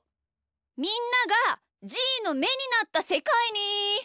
みんながじーのめになったせかいに。